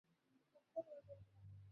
আমি বললাম সময় নেন।